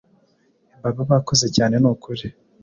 baba bakoze cyane nukuri